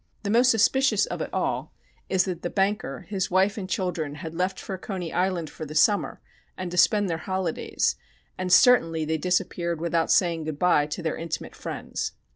The most suspicious of it all is that the banker, his wife and children had left for Coney Island for the summer and to spend their holidays, and certainly they disappeared without saying good by to their intimate friends....